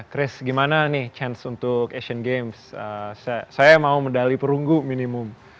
chris gimana nih chance untuk asian games saya mau medali perunggu minimum